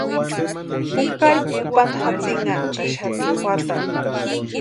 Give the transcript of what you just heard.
Jukari kupanta jatsinhantaxati juatarhu.